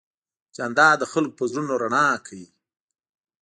جانداد د خلکو په زړونو رڼا کوي.